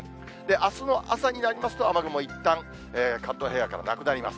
あすの朝になりますと、雨雲いったん関東平野からなくなります。